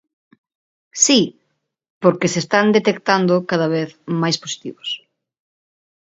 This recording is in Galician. Si, porque se están detectando cada vez máis positivos.